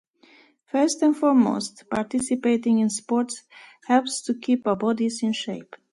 First and foremost, participating in sports helps to keep our bodies in shape.